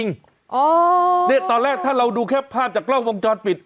นี่ตอนแรกถ้าเราดูแค่ภาพจากกล้องวงจรปิด